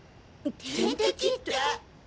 天敵って？